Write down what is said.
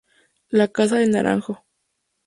La Casa del Naranjo.